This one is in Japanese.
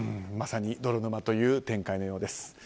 まさに泥沼という展開のようです。